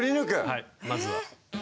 はいまずは。